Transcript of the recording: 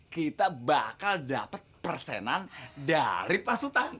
kita bakal dapet persenan dari pak sutan